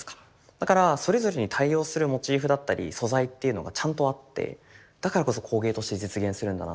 だからそれぞれに対応するモチーフだったり素材っていうのがちゃんとあってだからこそ工芸として実現するんだなっていう。